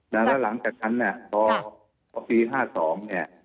แล้วหลังจากนั้นเนี่ยพอปี๕๒เนี่ย